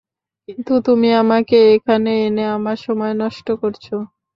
কিন্তু তুমি আমাকে এখানে এনে আমার সময় নষ্ট করছো।